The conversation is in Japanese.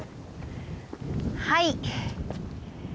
はい。